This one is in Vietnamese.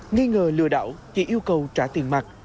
nghi ngờ lừa đảo chị yêu cầu trả tiền mặt